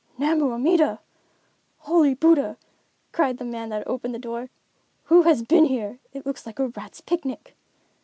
"Namu Amida" (Holy Buddha!), cried the man that opened the door. "Who has been here? It looks like a rat's picnic."